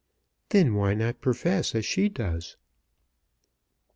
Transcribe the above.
"Then why not profess as she does?"